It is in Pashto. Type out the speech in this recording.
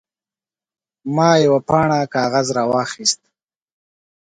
ما یوه پاڼه کاغذ راواخیست.